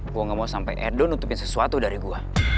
gue gak mau sampai edo nutupin sesuatu dari gue